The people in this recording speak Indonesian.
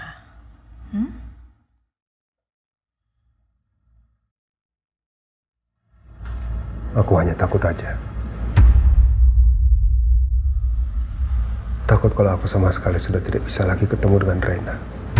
hai aku hanya takut aja takut kalau aku sama sekali sudah tidak bisa lagi ketemu dengan reyna